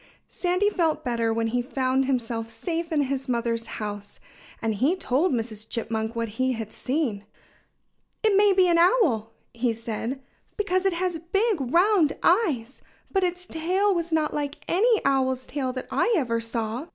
Sandy felt better when he found himself safe in his mother's house. And he told Mrs. Chipmunk what he had seen. "It may be an owl," he said, "because it has big, round eyes. But its tail was not like any owl's tail that I ever saw.